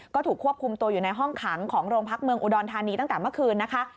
ก็ถูกควบคุมตัวอยู่ในห้องขังของโรงพักเมืองอุดรธานีตั้งแต่เมื่อคืนนะคะ